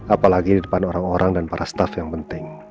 apalagi di depan orang orang dan para staff yang penting